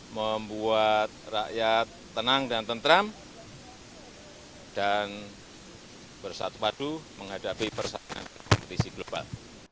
membuat rakyat tenang dan tentram dan bersatu padu menghadapi persaingan kompetisi global